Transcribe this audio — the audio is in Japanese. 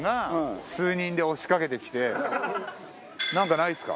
「なんかないっすか？」。